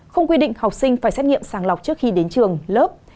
không quy định học sinh phải xét nghiệm sàng lọc trước khi đến trường lớp